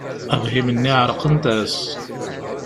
Abhim-nni εerqent-as.